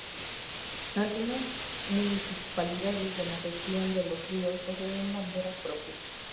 Algunas municipalidades de la Región de Los Ríos poseen banderas propias.